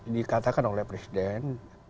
dikatakan oleh presiden